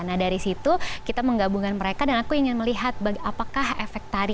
nah dari situ kita menggabungkan mereka dan aku ingin melihat apakah efek tari